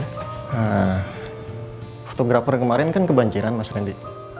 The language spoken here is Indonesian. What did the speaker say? nah fotografer kemarin kan kebanjiran mas randy